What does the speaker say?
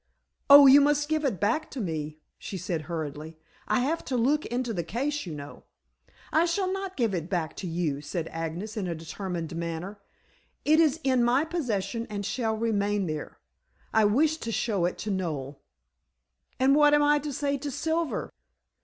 "Oh, you must give it back to me," she said hurriedly. "I have to look into the case, you know." "I shall not give it back to you," said Agnes in a determined manner. "It is in my possession and shall remain there. I wish to show it to Noel." "And what am I to say to Silver?"